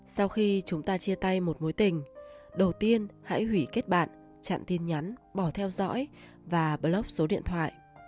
sau khi chúng ta chia tay một mối tình đầu tiên hãy hủy kết bạn chặn tin nhắn bỏ theo dõi và block số điện thoại